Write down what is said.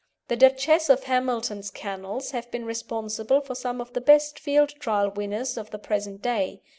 The Duchess of Hamilton's kennels have been responsible for some of the best field trial winners of the present day.